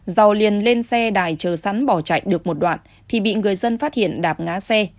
giàu liền lên xe đại chờ sẵn bỏ chạy được một đoạn thì bị người dân phát hiện đạp ngá xe